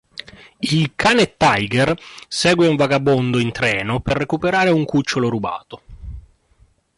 Il cane Tiger segue un vagabondo in treno per recuperare un cucciolo rubato.